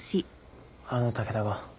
あの武田が。